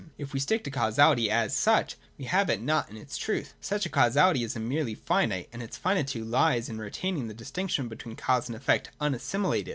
If we stick to causality as such, we have it not in its truth. Such a causality is merely finite, and its finitude lies in retaining the distinction between cause and effect unassimilated.